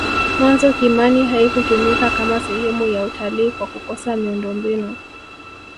mwanzo kimani haikutumika Kama sehemu ya utalii kwa kukosa miundombinu